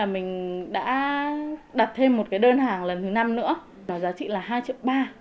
mình đã đặt thêm một đơn hàng lần thứ năm nữa giá trị là hai triệu ba